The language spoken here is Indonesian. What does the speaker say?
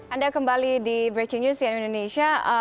anda kembali di breaking news di indonesia